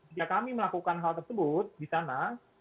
jika kami melakukan hal tersebut di sana